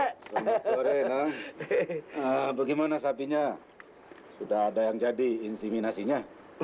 hai sobat sore nah eh gimana sapinya sudah ada yang jadi insiminasi nya